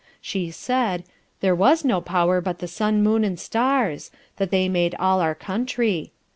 She said, there was no power but the sun, moon and stars; that they made all our country.